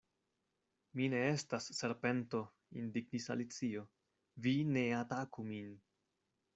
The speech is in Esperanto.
"Mi ne estas serpento," indignis Alicio, "vi ne ataku min!"